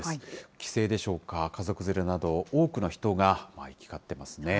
帰省でしょうか、家族連れなど、多くの人が行き交ってますね。